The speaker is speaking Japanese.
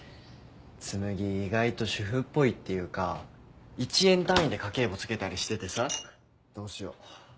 紬意外と主婦っぽいっていうか１円単位で家計簿つけたりしててさどうしよう。